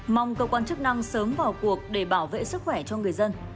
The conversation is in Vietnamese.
mong cơ quan chức năng sớm vào cuộc để bảo vệ sức khỏe cho người dân